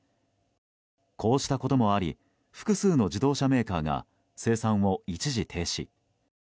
こうしたこともあり複数の自動車メーカーが生産を一時停止。